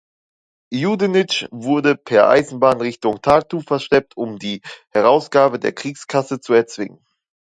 Judenitsch wurde per Eisenbahn Richtung Tartu verschleppt um die Herausgabe der Kriegskasse zu erzwingen.